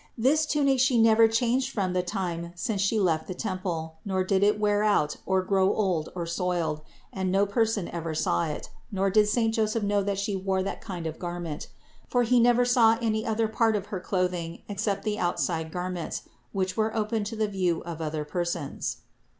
This tunic She never changed from the time since She left the temple, nor did it wear out or grow old or soiled, and no person ever saw it, nor did saint Joseph know that She wore that kind of a gar ment; for he never saw any other part of her clothing except the outside garments, which were open to the THE INCARNATION 349 view of other persons.